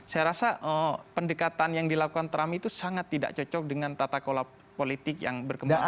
saya rasa pendekatan yang dilakukan trump itu sangat tidak cocok dengan tata kelola politik yang berkembang